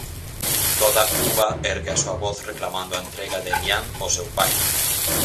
Toda Cuba ergue a súa voz reclamando a entrega de Elián ó seu pai.